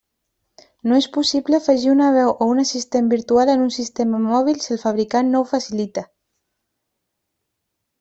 No és possible afegir una veu o un assistent virtual en un sistema mòbil si el fabricant no ho facilita.